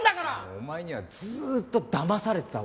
もうお前にはずーっとだまされてたわ。